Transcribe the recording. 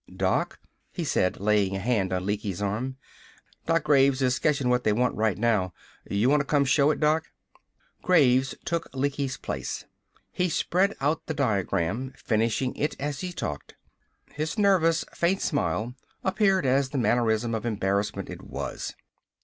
"Doc," he said, laying a hand on Lecky's arm. "Doc Graves is sketchin' what they want right now. You want to come show it, Doc?" Graves took Lecky's place. He spread out the diagram, finishing it as he talked. His nervous, faint smile appeared as the mannerism of embarrassment it was.